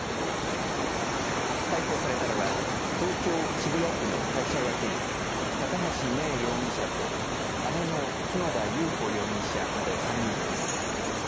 逮捕されたのは東京、渋谷区の会社役員高橋めい容疑者と姉の角田裕子容疑者など３人です。